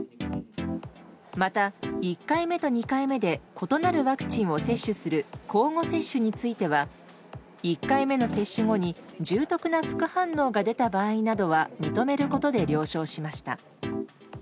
また、１回目と２回目で異なるワクチンを接種する交互接種については１回目の接種後に重篤な副反応が出た場合などは認めることで了承しました。